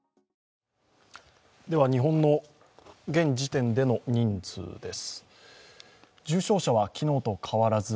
日本の現時点での人数です。